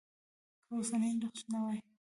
که اوسنی نقش نه وای.